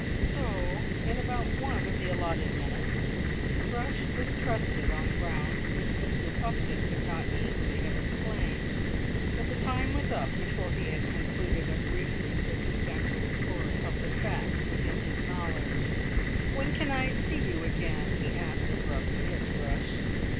So, in about one of the allotted minutes, Thrush was trusted on grounds which Mr. Upton could not easily have explained; but the time was up before he had concluded a briefly circumstantial report of the facts within his knowledge. "When can I see you again?" he asked abruptly of Thrush.